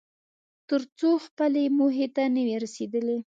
تر څو خپلې موخې ته نه وې رسېدلی.